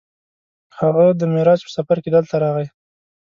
هغه د معراج په سفر کې دلته راغی.